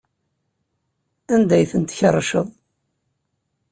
Anda ay tent-tkerrceḍ?